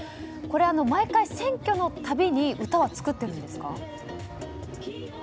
これは毎回、選挙の度に歌を作ってるんですか？